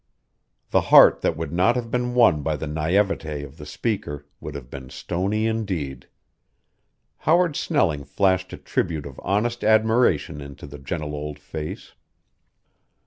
The heart that would not have been won by the naïvete of the speaker would have been stony indeed! Howard Snelling flashed a tribute of honest admiration into the gentle old face.